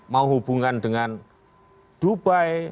mau hubungan dengan dubai